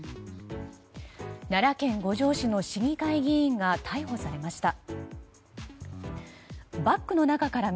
奈良県五條市の市議会議員が逮捕されました。